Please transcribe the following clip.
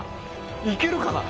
行けるかな？